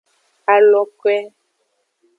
Alokwe.